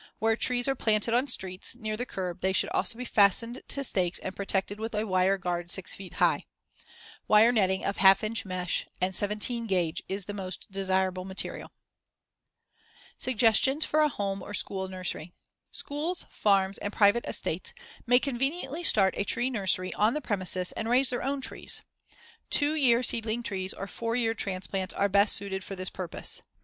Where trees are planted on streets, near the curb, they should also be fastened to stakes and protected with a wire guard six feet high. See Fig. 95. Wire netting of ½ inch mesh and 17 gauge is the most desirable material. [Illustration: FIG. 96. A Home Nursery. (Austrian pines in front.)] Suggestions for a home or school nursery: Schools, farms, and private estates may conveniently start a tree nursery on the premises and raise their own trees. Two year seedling trees or four year transplants are best suited for this purpose.